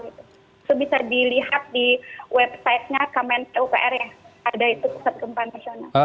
itu bisa dilihat di websitenya kemenupr yang ada itu pusat gempa nasional